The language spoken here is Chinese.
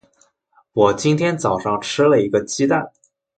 我今天早上吃了一个鸡蛋。